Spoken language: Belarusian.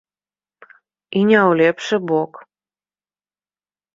І не ў лепшы бок.